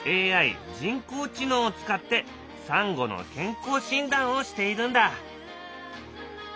ＡＩ人工知能を使ってサンゴの健康診断をしているんだ。